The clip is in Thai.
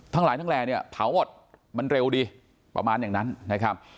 ทั้งหลายทั้งแหล่เนี่ยเผาหมดมันเร็วดีประมาณอย่างนั้นนะครับ